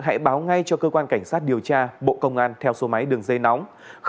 hãy báo ngay cho cơ quan cảnh sát điều tra bộ công an theo số máy đường dây nóng